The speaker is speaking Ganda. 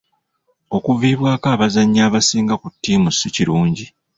Okuviibwako abazannyi abasinga ku ttiimu si kirungi.